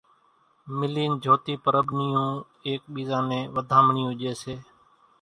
ملين جھوتي پرٻ نيون ايڪ ٻيزا نين وڌامڻيون ڄي سي۔